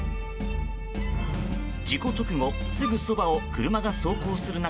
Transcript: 事故直後すぐそばを車が走行する中